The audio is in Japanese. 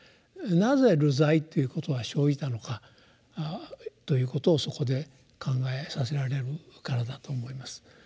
なぜ流罪ということが生じたのかということをそこで考えさせられるからだと思います。